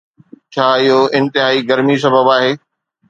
ڇا اهو انتهائي گرمي سبب آهي.